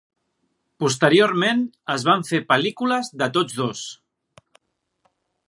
Posteriorment es van fer pel·lícules de tots dos.